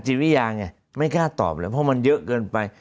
จิตวิญญาณไงไม่กล้าตอบเลยเพราะมันเยอะเกินไป